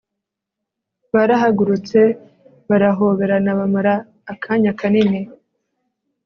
Barahagurutse barahoberana bamara akanya kanini